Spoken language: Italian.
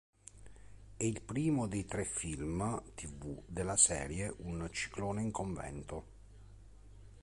È il primo dei tre film tv della serie Un ciclone in convento.